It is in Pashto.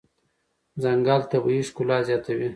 ځنګل طبیعي ښکلا زیاتوي.